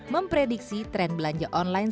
memprediksi tren belanja online